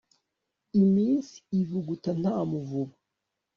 iminsi ivuguta nta muvuba